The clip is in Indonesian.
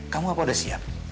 kamu apa udah siap